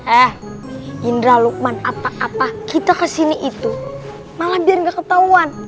eh indra lukman apa apa kita kesini itu malah biar gak ketahuan